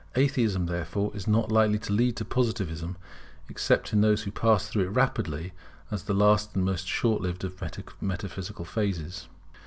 Atheism, therefore, is not likely to lead to Positivism except in those who pass through it rapidly as the last and most short lived of metaphysical phases.